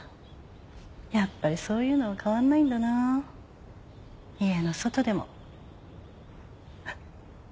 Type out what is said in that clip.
やっぱりそういうのは変わんないんだな家の外でも。